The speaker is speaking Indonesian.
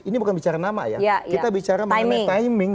ini bukan bicara nama ya kita bicara mengenai timing